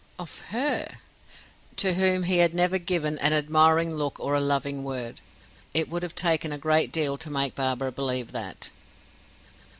of her, to whom he had never given an admiring look or a loving word! It would have taken a great deal to make Barbara believe that.